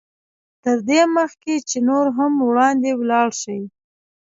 تر دې مخکې چې نور هم وړاندې ولاړ شئ.